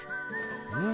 うん。